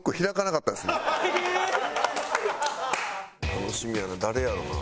楽しみやな。